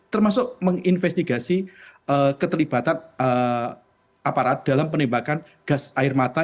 termasuk menginvestigasi keterlibatan aparat dalam penembakan gas air mata